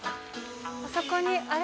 あそこに、あれ？